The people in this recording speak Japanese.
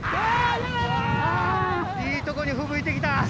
いいとこにふぶいて来た。